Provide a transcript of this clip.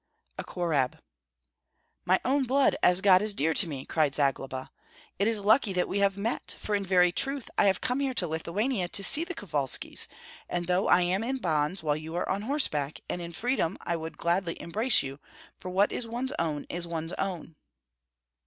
"A Korab." "My own blood, as God is dear to me!" cried Zagloba. "It is lucky that we have met, for in very truth I have come here to Lithuania to see the Kovalskis; and though I am in bonds while you are on horseback and in freedom I would gladly embrace you, for what is one's own is one's own."